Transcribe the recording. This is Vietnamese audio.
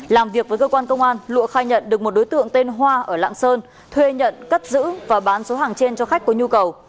làm việc với cơ quan công an lụa khai nhận được một đối tượng tên hoa ở lạng sơn thuê nhận cất giữ và bán số hàng trên cho khách có nhu cầu